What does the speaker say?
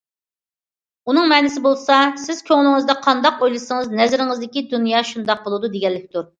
ئۇنىڭ مەنىسى بولسا، سىز كۆڭلىڭىزدە قانداق ئويلىسىڭىز، نەزىرىڭىزدىكى دۇنيا شۇنداق بولىدۇ، دېگەنلىكتۇر.